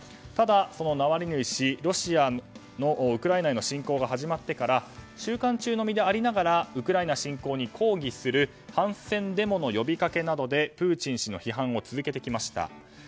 ただ、ナワリヌイ氏ロシアのウクライナへの侵攻が始まってから収監中の身でありながらウクライナ侵攻に抗議する反戦デモの呼びかけなどでプーチン氏の批判を続けてきました。